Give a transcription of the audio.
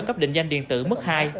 cấp định danh điện tử mức hai